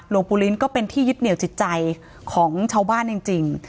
ปูลิ้นก็เป็นที่ยึดเหนียวจิตใจของชาวบ้านจริง